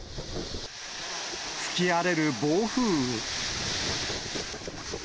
吹き荒れる暴風雨。